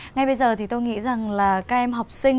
ngay bây giờ thì tôi nghĩ rằng là các em học sinh